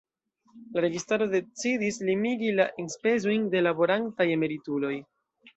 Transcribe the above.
La registaro decidis limigi la enspezojn de laborantaj emerituloj.